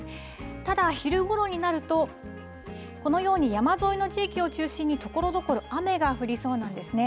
ただ昼ごろになると、このように山沿いの地域を中心に、ところどころ、雨が降りそうなんですね。